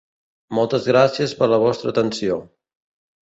Moltes gràcies per la vostra atenció.